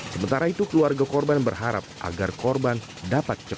sementara itu keluarga korban berharap agar korban dapat cepat